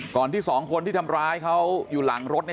ที่สองคนที่ทำร้ายเขาอยู่หลังรถเนี่ย